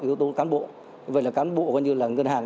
yếu tố cán bộ vậy là cán bộ gọi như là ngân hàng